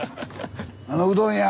あのうどん屋！